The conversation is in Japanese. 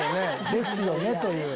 「ですよね？」という。